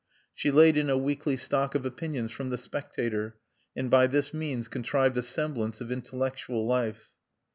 She laid in a weekly stock of opinions from The Spectator, and by this means contrived a semblance of intellectual life.